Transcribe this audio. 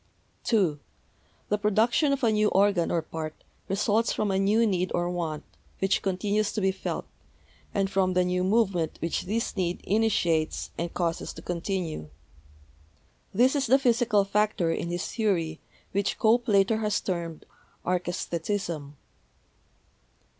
(2) The production of a new organ or part results from a new need or want, which continues to be felt, and from the new movement which this need initiates and causes to continue. (This is the psychical factor in his theory, which Cope later has termed Archesthetism.)